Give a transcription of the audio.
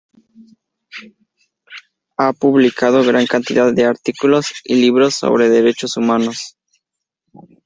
Ha publicado gran cantidad de artículos y libros sobre derechos humanos.